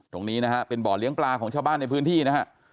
ตรงนี้นะฮะเป็นบ่อเลี้ยงปลาของชาวบ้านในพื้นที่นะฮะ